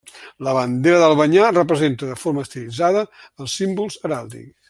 La bandera d'Albanyà representa de forma estilitzada els símbols heràldics.